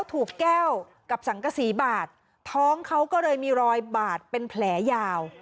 ถูกแก้วกับสังกษีบาดท้องเขาก็เลยมีรอยบาดเป็นแผลยาว